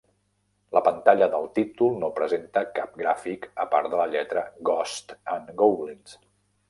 La pantalla del títol no presenta cap gràfic a part de la lletra "Ghosts 'n Goblins".